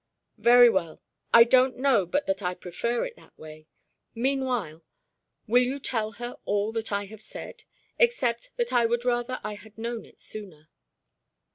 "Very well. I don't know but that I prefer it that way. Meanwhile, will you tell her all that I have said? except that I would rather I had known it sooner."